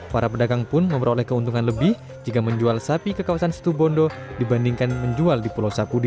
para pedagang pun memperoleh keuntungan lebih jika menjual sapi ke kawasan situbondo dibandingkan menjual di pulau sapudi